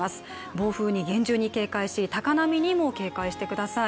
暴風に厳重に警戒し、高波にも警戒してください。